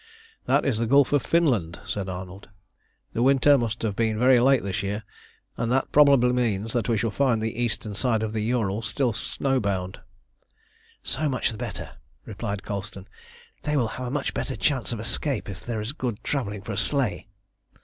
"That is the Gulf of Finland," said Arnold. "The winter must have been very late this year, and that probably means that we shall find the eastern side of the Ourals still snow bound." "So much the better," replied Colston. "They will have a much better chance of escape if there is good travelling for a sleigh."